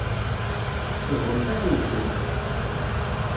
Tsebɣem-asent-tent.